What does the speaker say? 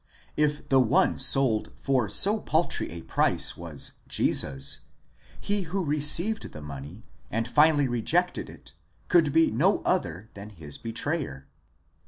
If the one sold forso paltry a price was Jesus: he who received the money and finally rejected it could be no. other than his betrayer.